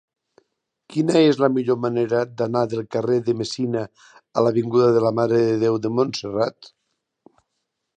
Quina és la millor manera d'anar del carrer de Messina a l'avinguda de la Mare de Déu de Montserrat?